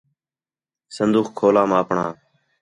صندوخ کھولام اپݨاں